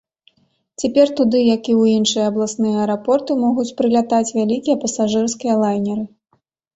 Цяпер туды, як і ў іншыя абласныя аэрапорты, могуць прылятаць вялікія пасажырскія лайнеры.